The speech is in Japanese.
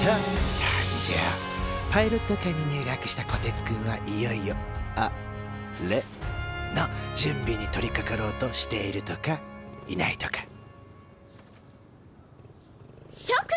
パイロット科に入学したこてつくんはいよいよアレの準備に取りかかろうとしているとかいないとか諸君！